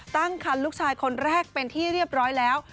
ตั้งคันลูกชายคนแรกเป็นที่เรียบร้อยแล้ว